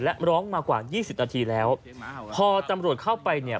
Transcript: และร้องมากว่ายี่สิบนาทีแล้วพอตำรวจเข้าไปเนี่ย